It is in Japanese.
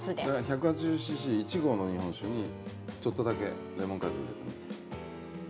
１８０ｃｃ１合の日本酒にちょっとだけレモン果汁を入れます。